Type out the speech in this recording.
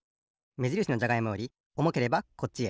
めじるしのじゃがいもよりおもければこっちへ。